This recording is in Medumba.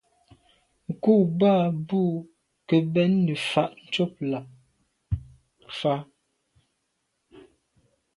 Nku boa mbu ke bèn nefà’ tshob fà’.